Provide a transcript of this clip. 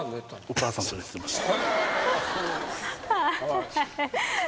お母さんと寝てました。